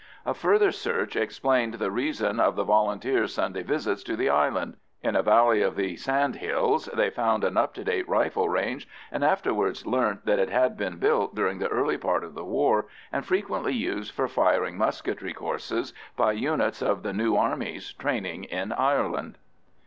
A further search explained the reason of the Volunteers' Sunday visits to the island. In a valley of the sand hills they found an up to date rifle range, and afterwards learnt that it had been built during the early part of the war, and frequently used for firing musketry courses by units of the New Armies training in Ireland.